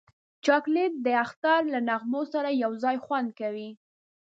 چاکلېټ د اختر له نغمو سره یو ځای خوند کوي.